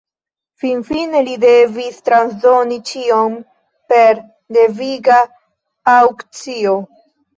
Finfine li devis transdoni ĉion per deviga aŭkcio.